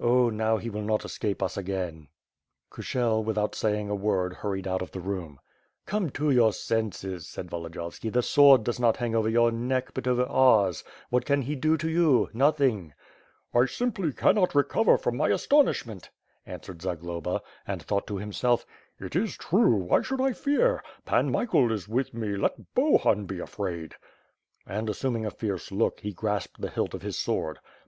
"Oh, now he will not escape us again.'' 35 5^5 ^^^^^^^^^^^ SWORD. Kushel without saying a word hurried out of the room« "Come to your senses," said Volodiyovski. "The sword does not hang over your neck, but over ours. What can he do to you? Nothing!" "I simply cannot recover from my astonishment," answered Zagloba, and thought to himself, "It is true; why should I fear? Pan Michael is with me, let Bohun be afraid." And, assuming a fierce look, he grasped the hilt of his sword.